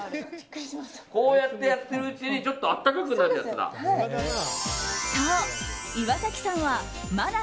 こうやってやってるうちにちょっと温かくなるやつだ。